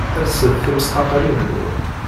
Lset tismqaqqalin-nwen.